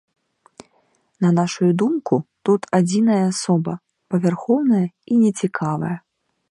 На нашую думку, тут адзіная асоба, павярхоўная і нецікавая.